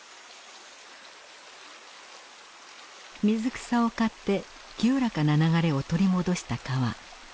水草を刈って清らかな流れを取り戻した川。